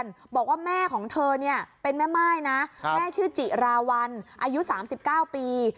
ร้องเรียนบอกว่าแม่ของเธอเนี่ยเป็นแม่ไม่นะแม่ชื่อจิราวัลอายุสามสิบเก้าปี